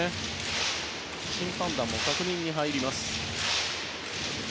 審判団も確認に入ります。